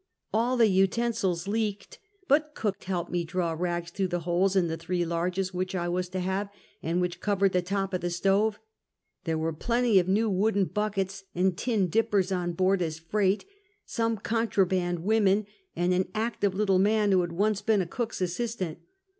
All the utensils leaked, but cook helped me draw rags through the holes in the three largest which I was to have, and which covered the top of the stove. There were plenty of new wooden buckets and tin dippers on board as freight, some contraband women, and an active little man, who had once been a cook's assis tant.